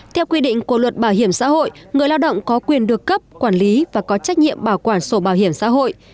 theo quy định của luật bảo hiểm xã hội người lao động có quyền được cấp quản lý và có trách nhiệm bảo quản sổ bảo hiểm xã hội